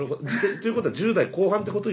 ていうことは１０代後半ってこと？